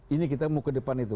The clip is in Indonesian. ini kita mau ke depan itu